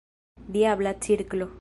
Diabla cirklo!